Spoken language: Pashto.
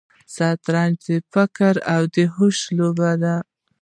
شطرنج د فکر او هوش لوبه ده.